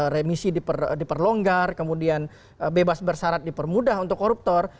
remisi diperlonggar kemudian bebas bersarat dipermudah untuk koruptor